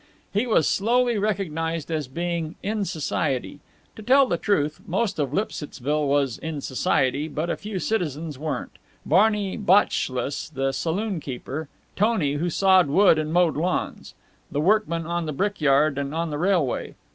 He was slowly recognized as being "in society." To tell the truth, most of Lipsittsville was in society, but a few citizens weren't Barney Bachschluss, the saloon keeper; Tony, who sawed wood and mowed lawns; the workmen on the brick yard and on the railway.